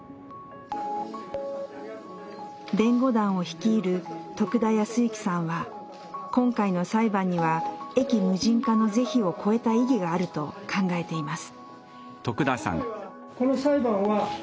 弁護団を率いる徳田靖之さんは今回の裁判には駅無人化の是非を超えた意義があると考えています。